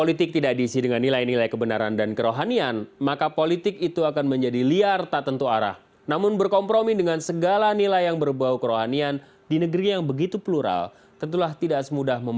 itu tidak akan berpengaruh besar